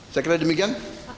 saya kira demikian